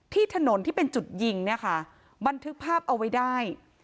ที่ถนนที่เป็นจุดยิงเนี่ยค่ะบันทึกภาพเอาไว้ได้